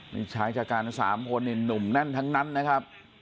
นี่ใช้จากการสามคนหนุ่มแน่นทั้งนั้นนะครับ